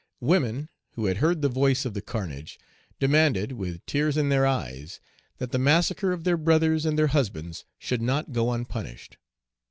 Women, who had heard the voice of the carnage, demanded, with tears in their eyes, that the massacre of their brothers and their husbands should not go unpunished.